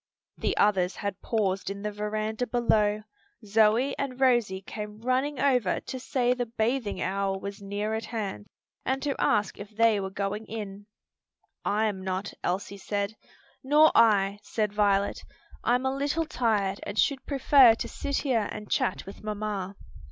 The others had paused in the veranda below. Zoe and Rosie came running over to say the bathing hour was near at hand, and to ask if they were going in. "I am not," Elsie said. "Nor I," said Violet, "I'm a little tired and should prefer to sit here and chat with mamma."